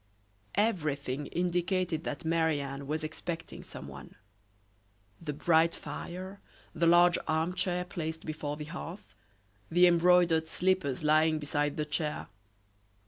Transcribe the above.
Everything indicated that Marie Anne was expecting someone; the bright fire, the large arm chair placed before the hearth, the embroidered slippers lying beside the chair.